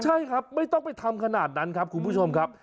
ใช่ครับไม่ต้องไปทำขนาดนั้นครับคุณผู้ชมครับ